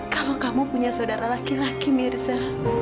kalau kamu punya saudara laki laki mirza